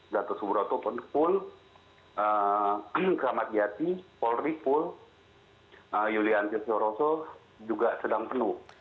dato' subroto polri pool kamad yati polri pool yulian tjotjoroso juga sedang penuh